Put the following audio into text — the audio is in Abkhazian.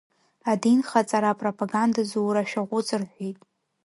Адинхаҵара апропаганда зура шәаҟәыҵ рҳәеит.